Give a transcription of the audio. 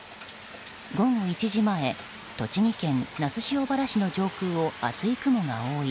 午後１時前栃木県那須塩原市の上空を厚い雲が覆い